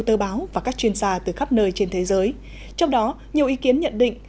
tờ báo và các chuyên gia từ khắp nơi trên thế giới trong đó nhiều ý kiến nhận định